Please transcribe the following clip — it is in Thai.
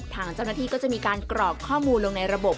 ทางเจ้าหน้าที่ก็จะมีการกรอกข้อมูลลงในระบบ